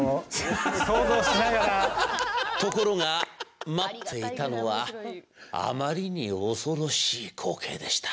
ところが待っていたのはあまりに恐ろしい光景でした。